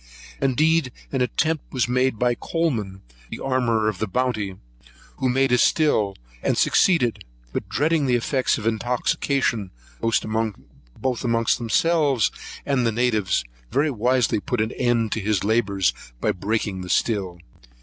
Indeed an attempt was made by Coleman, the armourer of the Bounty, who made a still, and succeeded; but, dreading the effects of intoxication, both amongst themselves and the natives, very wisely put an end to his labours by breaking the still.